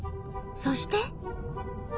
そして。